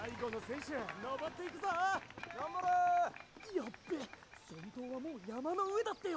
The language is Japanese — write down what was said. ヤッベ先頭はもう山の上だってよ！